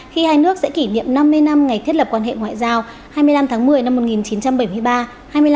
khi hai nước sẽ kỷ niệm năm mươi năm ngày thiết lập quan hệ ngoại giao hai mươi năm tháng một mươi năm một nghìn chín trăm bảy mươi ba